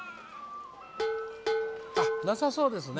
あっなさそうですね。